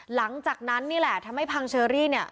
หลังจากนั้นนี่แหละทำให้พังเชอรี่เนี่ย